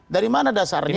dari mana dasarnya